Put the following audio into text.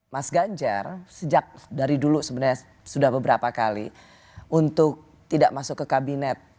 mas ganjar sejak dari dulu sebenarnya sudah beberapa kali untuk tidak masuk ke kabinet